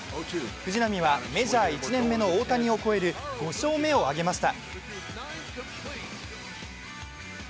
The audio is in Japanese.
藤浪はメジャー１年目の大谷を超える５勝目を挙げました。